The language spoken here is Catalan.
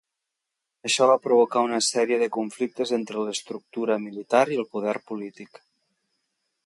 Això va provocar una sèrie de conflictes entre l'estructura militar i el poder polític.